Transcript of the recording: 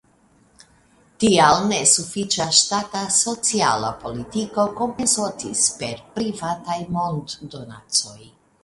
Tial nesufiĉa ŝtata sociala politiko kompensotis per privataj monddonacoj.